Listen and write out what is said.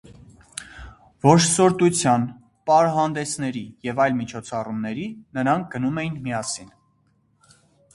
Որսորդության, պարահանդեսների և այլ միջոցառումների նրանք գնում էին միասին։